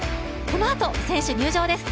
このあと、選手入場です。